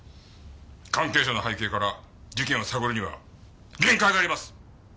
関係者の背景から事件を探るには限界があります。